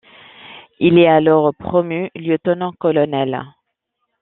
Il est alors promu lieutenant-colonel.